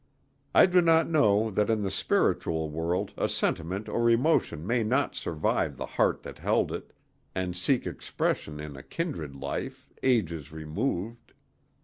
I do not know that in the spiritual world a sentiment or emotion may not survive the heart that held it, and seek expression in a kindred life, ages removed.